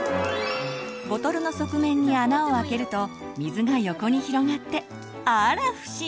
ボトルの側面に穴を開けると水が横に広がってあら不思議！